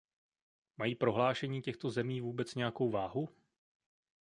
Mají prohlášení těchto zemí vůbec nějakou váhu?